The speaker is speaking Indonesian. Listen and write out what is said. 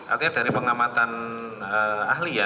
akhirnya dari pengamatan ahli ya